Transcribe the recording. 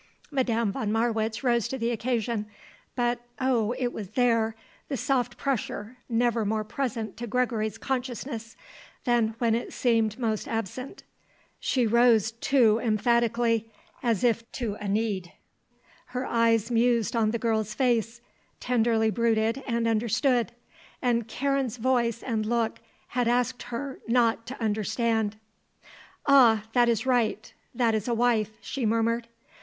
Madame von Marwitz rose to the occasion, but oh, it was there, the soft pressure, never more present to Gregory's consciousness than when it seemed most absent she rose too emphatically, as if to a need. Her eyes mused on the girl's face, tenderly brooded and understood. And Karen's voice and look had asked her not to understand. "Ah, that is right; that is a wife," she murmured.